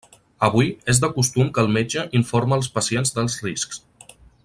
Avui, és de costum que el metge informa el pacient dels riscs.